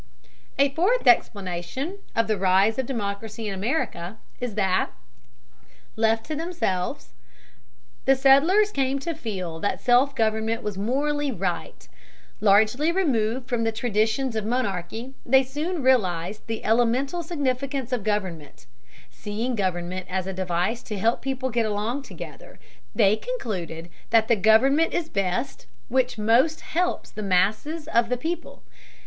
A fourth explanation of the rise of democracy in America is that, left to themselves, the settlers came to feel that self government was morally right. Largely removed from the traditions of monarchy, they soon realized the elemental significance of government. Seeing government as a device to help people get along together, they concluded that that government is best which most helps the masses of the people.